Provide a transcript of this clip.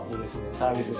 サービス